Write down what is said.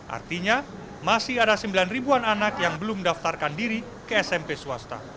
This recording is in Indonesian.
artinya masih ada sembilan ribuan anak yang belum daftarkan diri ke smp swasta